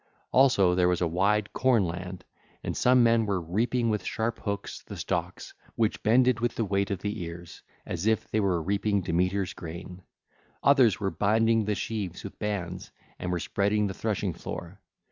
Also there was a wide cornland and some men were reaping with sharp hooks the stalks which bended with the weight of the cars—as if they were reaping Demeter's grain: others were binding the sheaves with bands and were spreading the threshing floor.